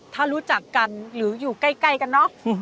ถ้ารู้จักกันหรืออยู่ใกล้กันเนอะ